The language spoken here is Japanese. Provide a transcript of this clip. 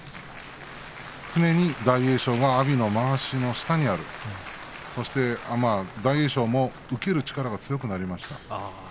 常に大栄翔が阿炎のまわしの下にある大栄翔も受ける力が強くなりました。